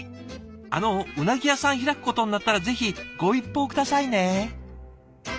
あのうなぎ屋さん開くことになったらぜひご一報下さいね。